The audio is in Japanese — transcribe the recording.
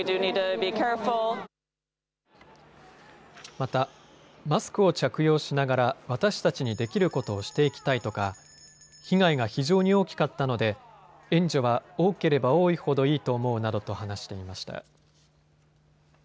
また、マスクを着用しながら私たちにできることをしていきたいとか、被害が非常に大きかったので援助は多ければ多いほどいいと思うなどと話していました。